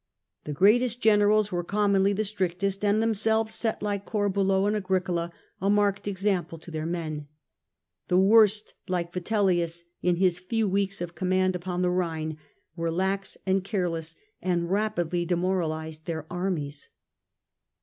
The greatest generals were commonly the strictest, and themselves set, like Corbulo and Agricola, a marked example to their men. The worst, like Vitel lius in his few weeks of command upon the Rhine, were lax and careless, and rapidly demoralized their armies.